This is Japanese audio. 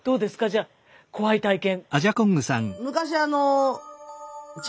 じゃあ怖い体験。